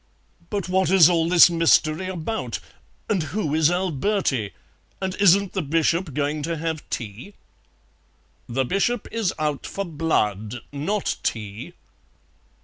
"But what is all this mystery about? And who is Alberti? And isn't the Bishop going to have tea?" "The Bishop is out for blood, not tea."